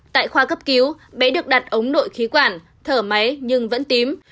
tại khoa cấp cứu bé được đặt ống nội khí quản thở máy nhưng vẫn tím